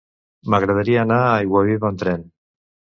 M'agradaria anar a Aiguaviva amb tren.